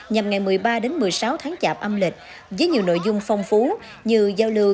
nhằm ngày một mươi ba một mươi sáu tháng chạp âm lịch với nhiều nội dung phong phú như giao lưu